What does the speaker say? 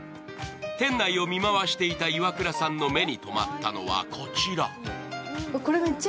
店内を見回していたイワクラさんの目に止まったのはこちら。